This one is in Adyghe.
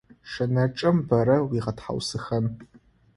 Шэнычъэм бэрэ уигъэтхьаусхэн.